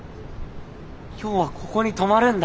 今日はここに泊まるんだ。